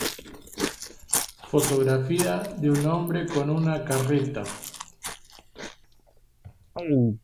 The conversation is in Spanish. fotografía de un hombre con una carreta